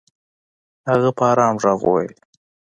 هغه په ارام ږغ وويل.